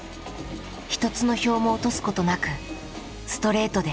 一つの票も落とすことなくストレートで勝ち進む。